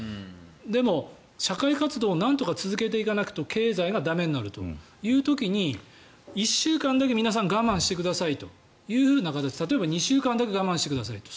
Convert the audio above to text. でも、社会活動をなんとか続けていかないと経済が駄目になるという時に１週間だけ皆さん我慢してくださいという形例えば２週間だけ我慢してくださいと。